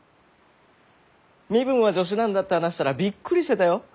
身分は助手なんだって話したらびっくりしてたよ。